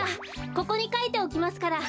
ここにかいておきますから。